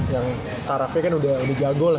yang karafnya kan udah jago lah